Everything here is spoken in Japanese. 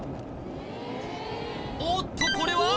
おっとこれは？